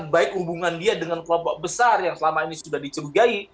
baik hubungan dia dengan kelompok besar yang selama ini sudah dicerigai